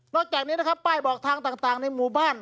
จากนี้นะครับป้ายบอกทางต่างในหมู่บ้าน